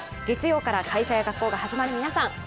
月曜から会社や学校が始まる皆さん